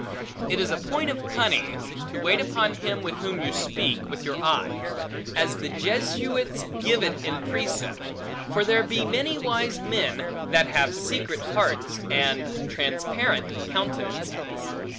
It is a point of cunning, to wait upon him with whom you speak, with your eye; as the Jesuits give it in precept: for there be many wise men, that have secret hearts, and transparent countenances.